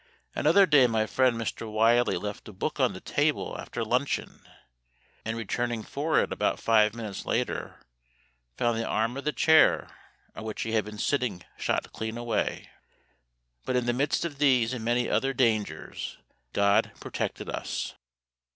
Another day my friend Mr. Wylie left a book on the table after luncheon, and returning for it about five minutes later, found the arm of the chair on which he had been sitting shot clean away. But in the midst of these and many other dangers GOD protected us.